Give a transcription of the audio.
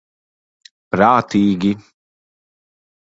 Prātīgi.